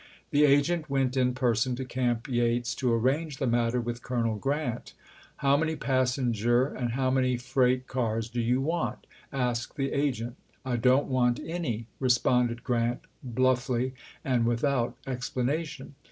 The agent went in person to Camp Yates to arrange the matter with Colonel Grant. "How many passenger and how many freight cars do you want I " asked the agent. " I don't want any," responded Grant, bluffly and without explanation.